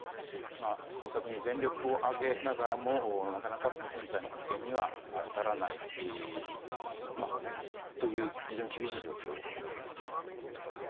捜索に全力を挙げながらもなかなか船体の発見には至らないという非常に厳しい状況になっていますね。